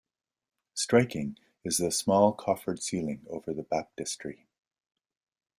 Striking is the small coffered ceiling over the Baptistery.